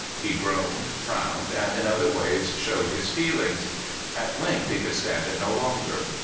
He groaned, frowned, and in other ways showed his feelings. At length he could stand it no longer.